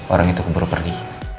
orang itu keburu pergi